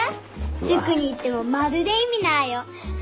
塾に行ってもまるで意味ないよ！